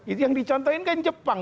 itu yang dicontohin kan jepang